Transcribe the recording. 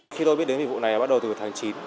khi tôi biết đến dịch vụ này bắt đầu từ tháng chín